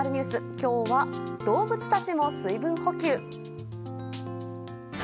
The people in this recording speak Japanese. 今日は、動物たちも水分補給。